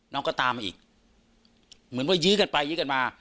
น้องก็ตามมาอีกเหมือนว่ายื้อกันไปยื้อกันมา